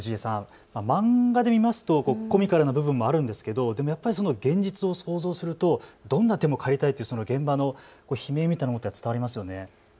漫画で見ますとコミカルな部分もあるんですがやっぱり現実を想像するとどんな手も借りたいという現場の悲鳴みたいなものが伝わりますよね。